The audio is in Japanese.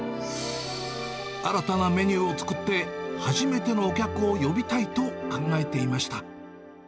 新たなメニューを作って、初めてのお客を呼びたいと考えていました。